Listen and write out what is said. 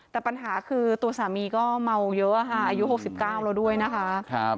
แต่ปัญหาคือตัวสามีก็เมาเยอะค่ะอายุ๖๙แล้วด้วยนะคะ